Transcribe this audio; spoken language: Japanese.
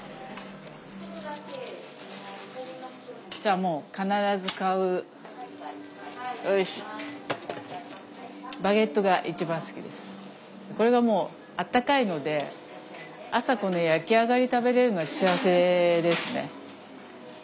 じゃあもう必ず買うこれがもうあったかいので朝この焼き上がり食べれるのは幸せですね。